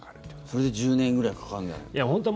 それで１０年ぐらいかかるんじゃないかと。